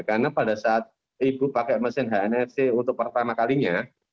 karena pada saat ibu pakai mesin hnfc untuk pertama kalinya